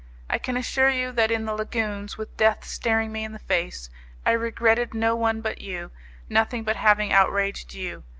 I can assure you that in the lagunes, with death staring me in the face, I regretted no one but you, nothing but having outraged you.